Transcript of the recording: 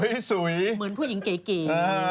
หลวยสุยเหมือนผู้หญิงเก๋นี่